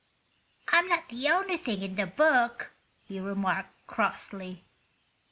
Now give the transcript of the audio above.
"I'm not the only thing in the book," he remarked, crossly.